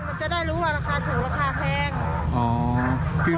มันจะได้รู้ว่าราคาถูกราคาแพง